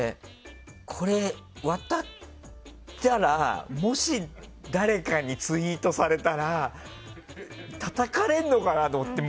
これ、渡ったらもし、誰かにツイートされたらたたかれるのかなと思って。